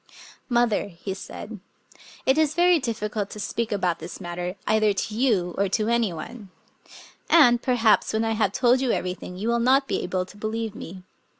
" Mother," he said, " it is very difficult to speak about this matter, either to you or to any one; and, perhaps, when I have told you everything, you will not be able to believe me.